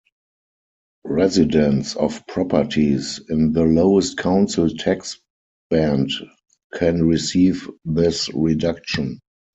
Residents of properties in the lowest council tax band can receive this reduction.